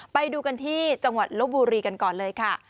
ไปดูกันที่จังหวัดลบบุรีกันก่อนเลยค่ะ